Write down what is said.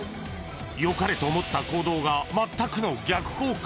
良かれと思った行動が全くの逆効果。